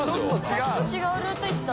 さっきと違うルート行った。